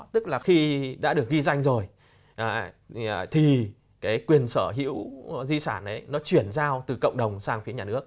tức là khi đã được ghi danh rồi thì cái quyền sở hữu di sản ấy nó chuyển giao từ cộng đồng sang phía nhà nước